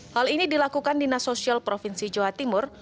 hal ini dilakukan dinas sosial provinsi jawa timur